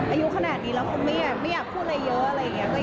อายุขนาดนี้แล้วคงไม่อยากพูดอะไรเยอะอะไรอย่างนี้